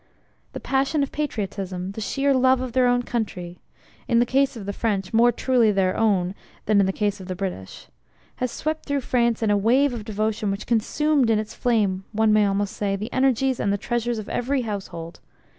The passion of Patriotism, the sheer love of their own country (in the case of the French, more truly "their own" than in the case of the British) has swept through France in a wave of devotion which consumed in its flame, one may almost say, the energies and the treasures of every household.